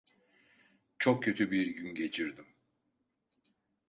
Çok kötü bir gün geçirdim.